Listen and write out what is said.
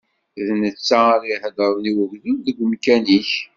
D netta ara iheddṛen i ugdud deg umkan-ik.